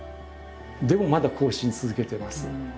でもまだ交信続けてます。